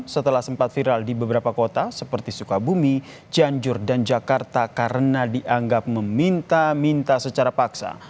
setelah sempat viral di beberapa kota seperti sukabumi cianjur dan jakarta karena dianggap meminta minta secara paksa